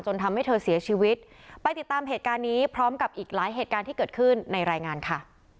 ทำให้เธอเสียชีวิตไปติดตามเหตุการณ์นี้พร้อมกับอีกหลายเหตุการณ์ที่เกิดขึ้นในรายงานค่ะ